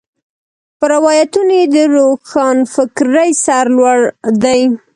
پر روایتونو یې د روښنفکرۍ سر لوړ دی.